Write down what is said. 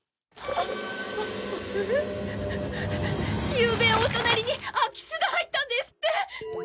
ゆうべお隣に空き巣が入ったんですって！